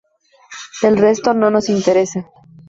El resto no nos interesa".